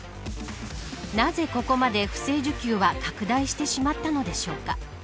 なぜここまで不正受給は拡大してしまったのでしょうか。